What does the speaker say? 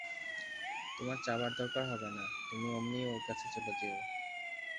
তোমার চাবার দরকার হবে না, তুমি অমনিই ওঁর কাছে চলে যেয়ো।